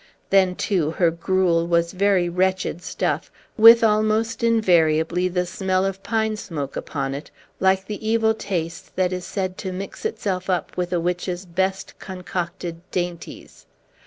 Then, too, her gruel was very wretched stuff, with almost invariably the smell of pine smoke upon it, like the evil taste that is said to mix itself up with a witch's best concocted dainties.